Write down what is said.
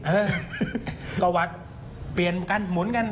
เออก็วัดเปลี่ยนกันหมุนกัน